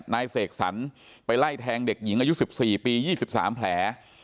นายเสกสรรไปไล่แทงเด็กหญิงอายุ๑๔ปี๒๓แผล